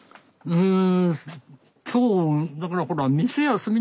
うん。